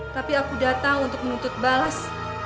tapi aku datang untuk menuntut balas